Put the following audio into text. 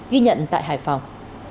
ghi nhận tại hải phòng